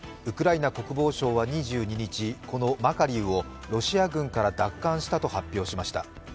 ウクライナ国防省は２２日、このマカリウをロシア軍から奪還したと発表しました。